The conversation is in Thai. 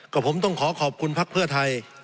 ผมต้องขอขอบคุณพักเพื่อไทย